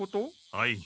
はい。